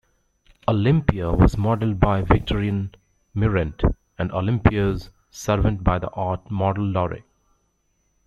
Olympia was modelled by Victorine Meurent and Olympia's servant by the art model Laure.